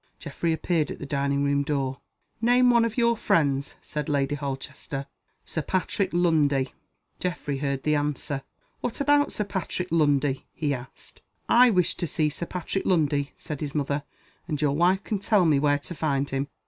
Geoffrey appeared at the dining room door. "Name one of your friends," said Lady Holchester. "Sir Patrick Lundie." Geoffrey heard the answer. "What about Sir Patrick Lundie?" he asked. "I wish to see Sir Patrick Lundie," said his mother. "And your wife can tell me where to find him."